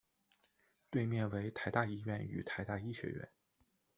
对面为台大医院与台大医学院。